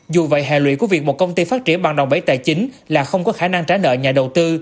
dù vậy hệ lụy của việc một công ty phát triển bằng đồng bấy tài chính là không có khả năng trả nợ nhà đầu tư